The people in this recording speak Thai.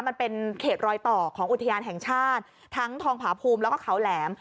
มันเป็นเขตรอยต่อของอุทยานแห่งชาติทั้งทองผาภูมิแล้วก็เขาแหลม